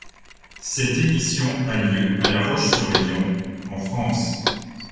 Cette édition a lieu à La Roche-sur-Yon, en France.